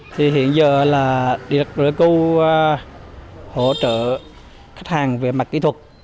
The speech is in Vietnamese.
thì hiện giờ là điện lực pleiku hỗ trợ khách hàng về mặt kỹ thuật